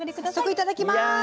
いただきます。